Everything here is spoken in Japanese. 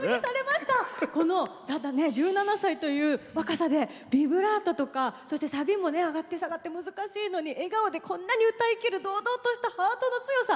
この、１７歳という若さでビブラートとかサビも上がって下がって難しいのに笑顔で、こんなに歌いきる堂々としたハートの強さ